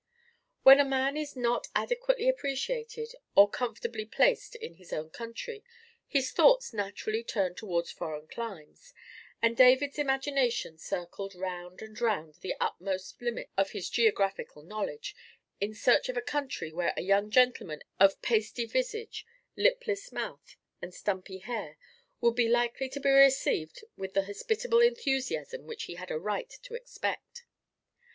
When a man is not adequately appreciated or comfortably placed in his own country, his thoughts naturally turn towards foreign climes; and David's imagination circled round and round the utmost limits of his geographical knowledge, in search of a country where a young gentleman of pasty visage, lipless mouth, and stumpy hair, would be likely to be received with the hospitable enthusiasm which he had a right to expect.